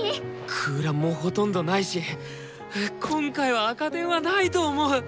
空欄もほとんどないし今回は赤点はないと思う！